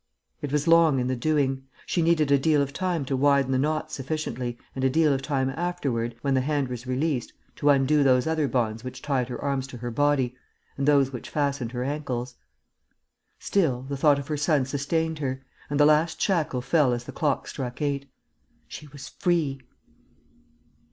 It was long in the doing. She needed a deal of time to widen the knot sufficiently and a deal of time afterward, when the hand was released, to undo those other bonds which tied her arms to her body and those which fastened her ankles. Still, the thought of her son sustained her; and the last shackle fell as the clock struck eight. She was free!